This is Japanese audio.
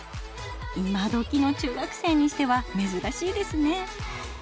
今どきの中学生にしてはめずらしいですね。